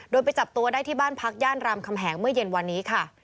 โดยไปจับตัวได้ที่บ้านพักย่านรามคำแหงเมื่อเย็นวันนี้ค่ะ